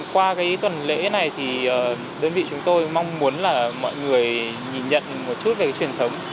qua cái tuần lễ này thì đơn vị chúng tôi mong muốn là mọi người nhìn nhận một chút về cái truyền thống